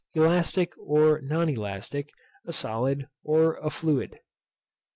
elastic, or non elastic; a solid, or a fluid.